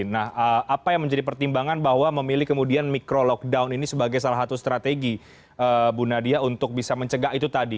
nah apa yang menjadi pertimbangan bahwa memilih kemudian micro lockdown ini sebagai salah satu strategi bu nadia untuk bisa mencegah itu tadi